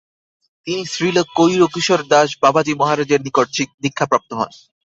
তিনি শ্রীল গৌরকিশোর দাস বাবাজী মহারাজের নিকট দীক্ষা প্রাপ্ত হন।